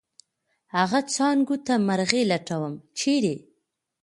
هغه څانګو ته مرغي لټوم ، چېرې؟